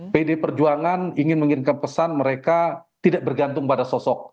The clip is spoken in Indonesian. pdi perjuangan ingin mengirimkan pesan mereka tidak bergantung pada sosok